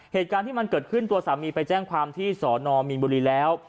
เหตุการณ์ที่มันเกิดขึ้นตัวสามีไปแจ้งความที่สอนอมีนบุรีแล้ว